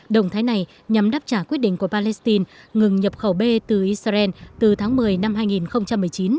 động thái này nhằm đáp trả quyết định của palestine ngừng nhập khẩu b từ israel từ tháng một mươi năm hai nghìn một mươi chín